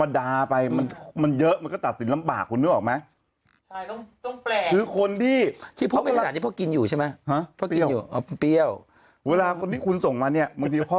ไม่ไม่กินมันกินบัวใช่ไหมพี่